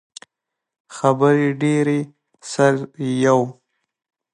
خبرې ډیرې، سر یی یو